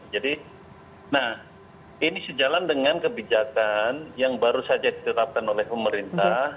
jadi nah ini sejalan dengan kebijakan yang baru saja ditetapkan oleh pemerintah